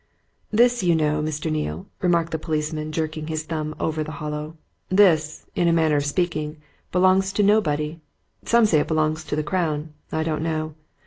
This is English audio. "This, you know, Mr. Neale," remarked the policeman, jerking his thumb over the Hollow, "this, in a manner of speaking, belongs to nobody. Some say it belongs to the Crown I don't know.